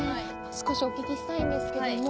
少しお聞きしたいんですけども。